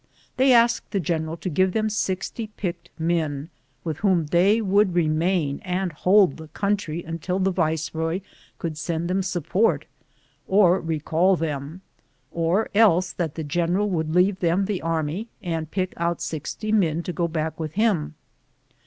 They asked the general to give them 60 picked men, with whom they would remain and hold the country until the viceroy could Bend them support, or recall them, or else that the general would leave them the army and pick out 60 men to go back with him.